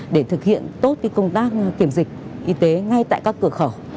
để thực hiện tốt công tác kiểm dịch y tế ngay tại các cửa khẩu